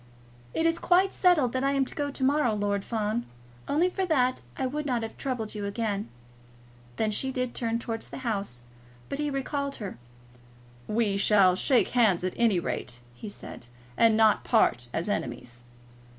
"It is quite settled that I am to go to morrow, Lord Fawn. Only for that I would not have troubled you again." Then she did turn towards the house, but he recalled her. "We will shake hands, at any rate," he said, "and not part as enemies."